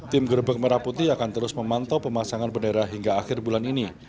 tim gerbek merah putih akan terus memantau pemasangan bendera hingga akhir bulan ini